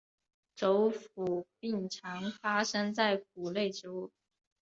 轴腐病常发生在谷类植物。